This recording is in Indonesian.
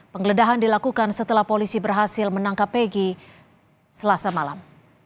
penggeledahan dilakukan setelah polisi berhasil menangkap egy selasa malam